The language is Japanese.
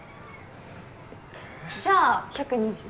じゃあ１２０。